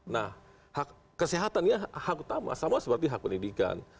nah kesehatannya hak utama sama seperti hak pendidikan